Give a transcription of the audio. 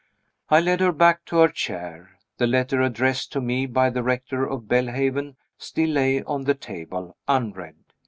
I led her back to her chair. The letter addressed to me by the Rector of Belhaven still lay on the table, unread.